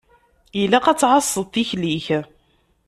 Ilaq ad tɛasseḍ tikli-k.